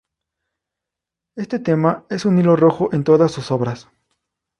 Este tema es un hilo rojo en todas sus obras.